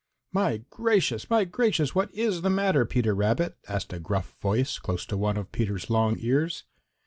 "My gracious! My gracious! What is the matter, Peter Rabbit?" asked a gruff voice close to one of Peter's long ears.